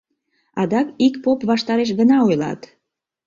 Адак ик поп ваштареш гына ойлат.